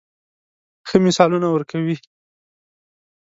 ښه مثالونه ورکوي.